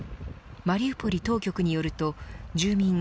マリウポリ当局によると住民